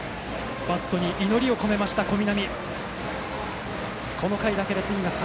バットに祈りを込めた小南。